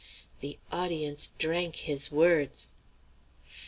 The audience drank his words.